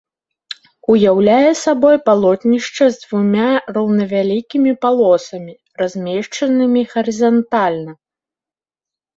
Уяўляе сабой палотнішча з двума роўнавялікімі палосамі, размешчанымі гарызантальна.